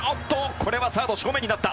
これはサード正面になった。